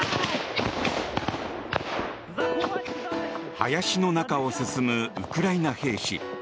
林の中を進むウクライナ兵士。